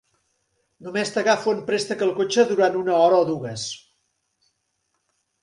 Només t'agafo en préstec el cotxe durant una hora o dues.